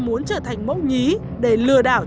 muốn trở thành mẫu nhí để lừa đảo